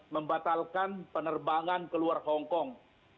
membatalkan penerbangan keluar hongkong